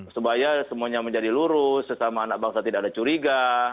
supaya semuanya menjadi lurus sesama anak bangsa tidak ada curiga